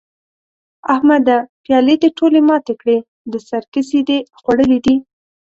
احمده؛ پيالې دې ټولې ماتې کړې؛ د سر کسي دې خوړلي دي؟!